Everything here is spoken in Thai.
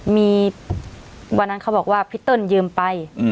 มีวันนั้นเขาบอกว่าพี่เติ้ลยืมไป